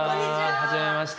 はじめまして。